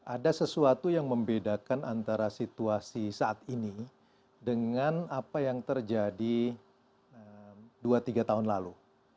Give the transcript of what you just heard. ada sesuatu yang membedakan antara situasi saat ini dengan apa yang terjadi dua tiga tahun lalu